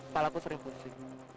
kepalaku sering pusing